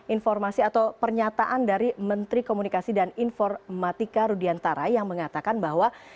informasi atau pernyataan dari menteri komunikasi dan informatika rudiantara yang mengatakan bahwa